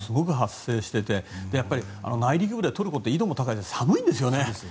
救出と同時に難民の方もすごく発生していて内陸部でトルコって緯度も高いし寒いんですよね。